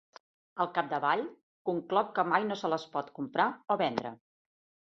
Al capdavall, concloc que mai no se les pot comprar o vendre.